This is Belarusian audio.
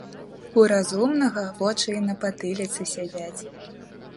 У разумнага вочы і на патыліцы сядзяць.